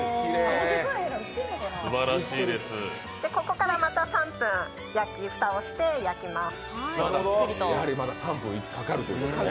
ここからまた３分、蓋をして焼きます。